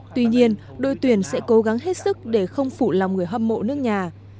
tuy nhiên đội tuyển sẽ cố gắng hết sức để không phủ lòng người hâm mộ nước nhà